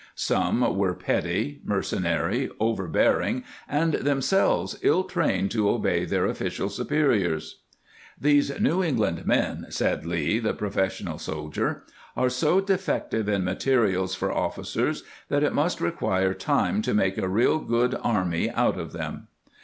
Some were petty, mercenary, over bearing, and themselves ill trained to obey their official superiors. " These N. England men," said Lee, the professional soldier, " are so defec tive in materials for officers, that it must require time to make a real good army out of 'em."